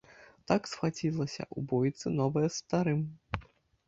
Так схвацілася ў бойцы новае з старым.